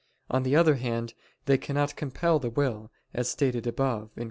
On the other hand, they cannot compel the will, as stated above (Q.